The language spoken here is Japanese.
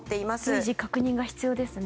随時、確認が必要ですね。